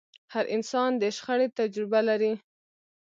هر انسان د شخړې تجربه لري.